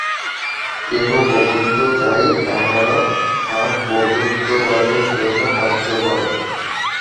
কেহ প্রভুত্ব চায়, তাহারা প্রভুত্বলাভের জন্য কার্য করে।